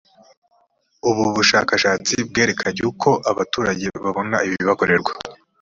ubu bushakashatsi bwerekanye uko abaturage babona ibibakorerwa